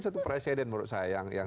satu presiden menurut saya yang